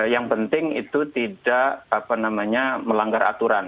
yang penting itu tidak melanggar aturan